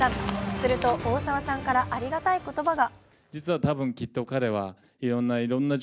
すると大沢さんからありがたい言葉が。